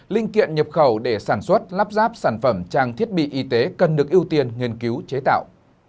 linh kiện nhập khẩu để sản xuất lắp ráp sản phẩm trang thiết bị y tế cần được ưu tiên nghiên cứu chế tạo